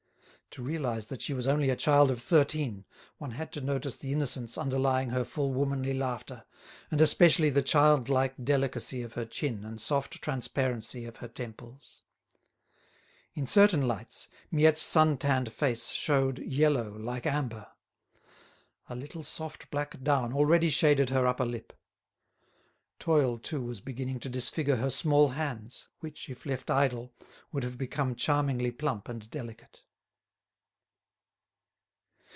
To realise that she was only a child of thirteen, one had to notice the innocence underlying her full womanly laughter, and especially the child like delicacy of her chin and soft transparency of her temples. In certain lights Miette's sun tanned face showed yellow like amber. A little soft black down already shaded her upper lip. Toil too was beginning to disfigure her small hands, which, if left idle, would have become charmingly plump and delicate.